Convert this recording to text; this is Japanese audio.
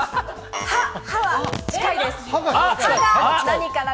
歯は近いです。